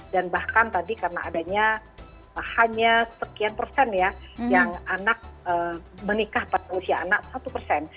dan bahkan tadi karena adanya hanya sekian persen ya yang anak menikah pada usia anak satu persen